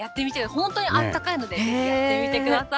本当にあったかいので、やってみてください。